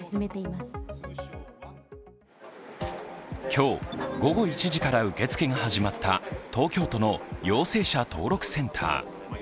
今日、午後１時から受付が始まった東京都の陽性者登録センター。